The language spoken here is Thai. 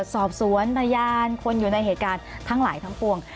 สอบสวนพยานคนอยู่ในเหตุการณ์ทั้งหลายทั้งปวง